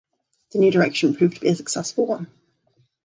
The new direction proved to be a successful one.